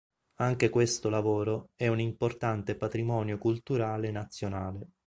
Anche questo lavoro è un importante patrimonio culturale nazionale.